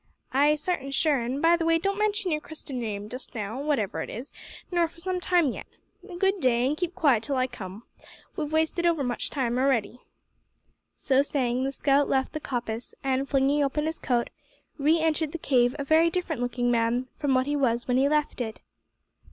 "Ay, sartin sure, an', by the way, don't mention your Christian name just now whatever it is nor for some time yet. Good day, an' keep quiet till I come. We've wasted overmuch time a'ready." So saying, the scout left the coppice, and, flinging open his coat, re entered the cave a very different looking man from what he was when he left it.